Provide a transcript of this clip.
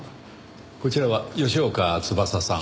こちらは吉岡翼さん。